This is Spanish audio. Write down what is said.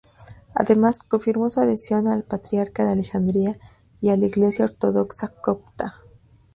Además, confirmó su adhesión al Patriarca de Alejandría y a la Iglesia ortodoxa copta.